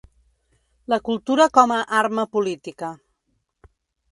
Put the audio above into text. La cultura com a ‘arma política’